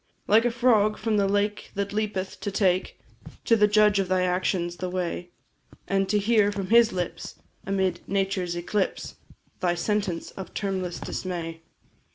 Like a frog, from the lake that leapeth, to take To the Judge of thy actions the way, And to hear from His lips, amid nature's eclipse, Thy sentence of termless dismay.